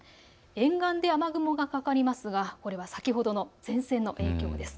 沿岸で雨雲がかかりますがこれは先ほどの前線の影響です。